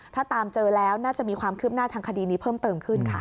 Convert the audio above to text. ถ้าตามเจอแล้วน่าจะมีความคืบหน้าทางคดีนี้เพิ่มเติมขึ้นค่ะ